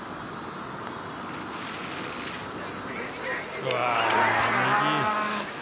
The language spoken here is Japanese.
うわ。